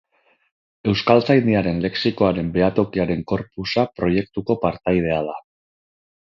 Euskaltzaindiaren Lexikoaren Behatokiaren corpusa proiektuko partaidea da.